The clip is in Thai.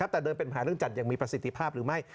แต่เดินเป็นแผลเรื่องจัดอย่างมีประสิทธิภาพหรือไม่